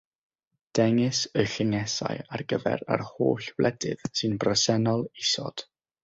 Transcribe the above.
Dengys y llyngesau ar gyfer yr holl wledydd sy'n bresennol isod.